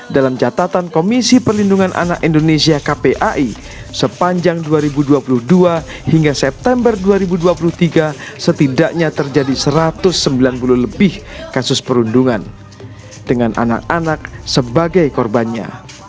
dalam catatan komisi perlindungan anak indonesia kpai sepanjang dua ribu dua puluh dua hingga september dua ribu dua puluh tiga setidaknya terjadi satu ratus sembilan puluh lebih kasus perundungan dengan anak anak sebagai korbannya